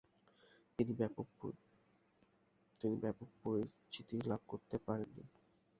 তিনি ব্যাপক পরিচিতি লাভ করতে পারেননি।